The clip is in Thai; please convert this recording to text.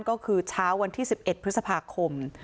ก็คือเช้าวันที่๑๑พฤษภาคม